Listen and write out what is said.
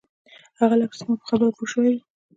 هغه لکه چې زما په خبره پوی شوی و.